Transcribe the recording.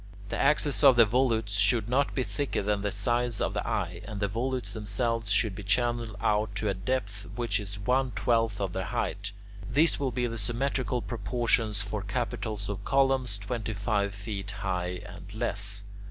The axes of the volutes should not be thicker than the size of the eye, and the volutes themselves should be channelled out to a depth which is one twelfth of their height. These will be the symmetrical proportions for capitals of columns twenty five feet high and less.